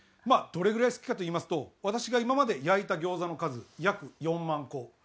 どれぐらい好きかといいますと私が今まで焼いた餃子の数約４万個。